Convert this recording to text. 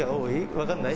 分かんない？